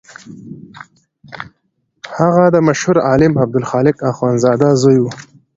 هغه د مشهور عالم عبدالخالق اخوندزاده زوی و.